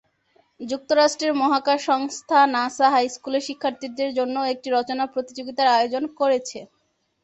যুক্তরাষ্ট্রের মহাকাশ সংস্থা নাসা হাইস্কুলের শিক্ষার্থীদের জন্য একটি রচনা প্রতিযোগিতার আয়োজন করেছে।